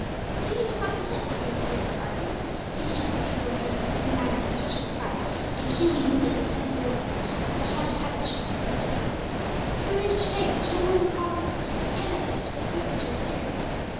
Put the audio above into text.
Caesar was not content with deposing Archelaus; he struck the people of Jerusalem in a manner that touched their pride, and keenly wounded the sensibilities of the haughty habitues of the Temple. He reduced Judea to a Roman province, and annexed it to the prefecture of Syria.